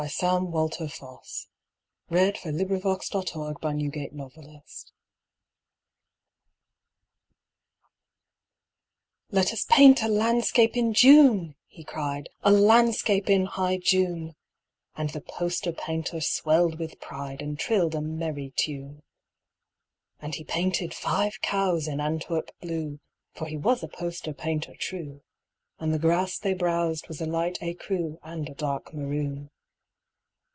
Sam Walter Foss The Poster Painter's Masterpiece "LET us paint a landscape in June," he cried; "A Landscape in high June." And the poster painter swelled with pride And trilled a merry tune. And he painted five cows in Antwerp blue (For he was a poster painter true), And the grass they browsed was a light écru And a dark maroon.